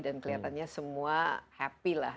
dan kelihatannya semua happy lah